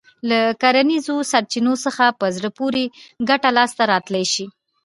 له کرنیزو سرچينو څخه په زړه پورې ګټه لاسته راتلای شي.